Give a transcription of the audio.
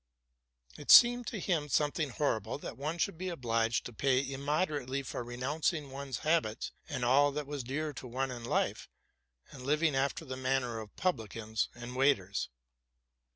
It seemed to him something horrible that one should be obliged to pay im moderately for renouncing one's habits and all that was dear to one in life, and living after the manner of publicans and waiters.